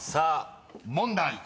［問題］